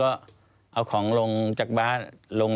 แล้วเขาสร้างเองว่าห้ามเข้าใกล้ลูก